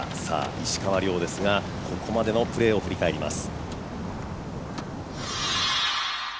石川遼ですが、ここまでのプレーを振り返ります。